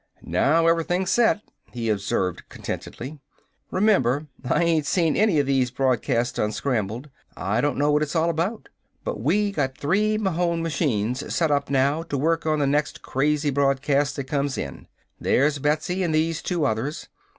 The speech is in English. "Now everything's set," he observed contentedly. "Remember, I ain't seen any of these broadcasts unscrambled. I don't know what it's all about. But we got three Mahon machines set up now to work on the next crazy broadcast that comes in. There's Betsy and these two others.